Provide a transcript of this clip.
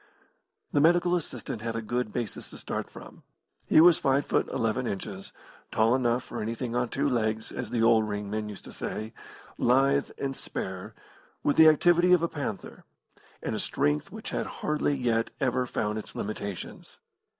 The medical assistant had a good basis to start from. He was 5ft. 11 ins. tall enough for anything on two legs, as the old ring men used to say lithe and spare, with the activity of a panther, and a strength which had hardly yet ever found its limitations.